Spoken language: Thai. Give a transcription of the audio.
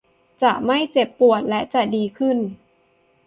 จะไม่เจ็บปวดและจะดีขึ้น